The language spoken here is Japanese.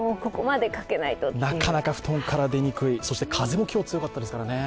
なかなか布団から出にくい、風も今日は強かったですからね。